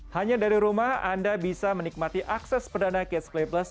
hanya dari rumah anda bisa menikmati akses perdana catch play plus